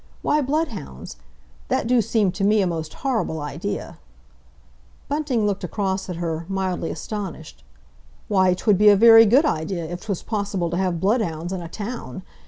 "Why bloodhounds? That do seem to me a most horrible idea!" Bunting looked across at her, mildly astonished. "Why, 'twould be a very good idea, if 'twas possible to have bloodhounds in a town.